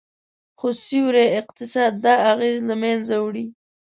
خو سیوري اقتصاد دا اغیز له منځه وړي